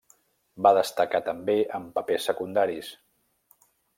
Va destacar també en papers secundaris.